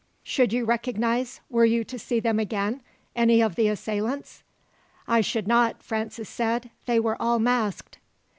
"Should you recognize, were you to see them again, any of the assailants?" "I should not," Francis said. "They were all masked."